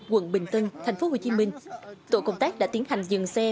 quận bình tân thành phố hồ chí minh tổ công tác đã tiến hành dừng xe